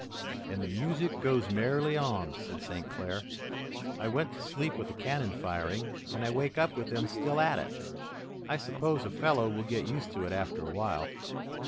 "And the music goes merrily on," said St. Clair. "I went to sleep with the cannon firing, and I wake up with them still at it. I suppose a fellow will get used to it after a while."